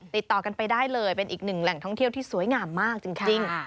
ติดต่อกันไปได้เลยเป็นอีกหนึ่งแหล่งท่องเที่ยวที่สวยงามมากจริง